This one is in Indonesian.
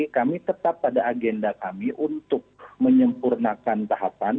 kami tetap pada agenda kami untuk menyempurnakan tahapan